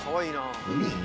海？